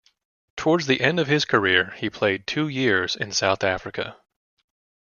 Towards the end of his career, he played two years in South Africa.